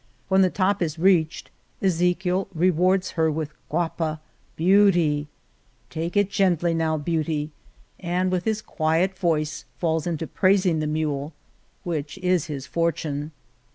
When the top is reached Ezechiel rewards her with '' Guapa,'' '' Beauty," Take it gently now, beauty," and with his quiet voice falls into praising the mule, which is his fortune.